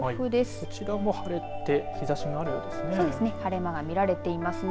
こちらも晴れて日ざしが多いですね。